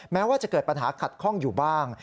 แม้ว่าจะเกิดปัญหาขัดข้องอยู่บ้าง